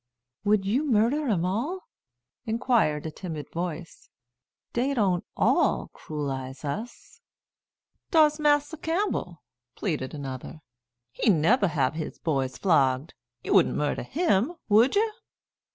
"Would you murder 'em all?" inquired a timid voice. "Dey don't all cruelize us." "Dar's Massa Campbell," pleaded another. "He neber hab his boys flogged. You wouldn't murder him, would you?"